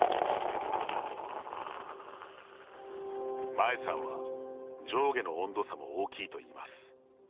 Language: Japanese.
前さんは、上下の温度差も大きいといいます。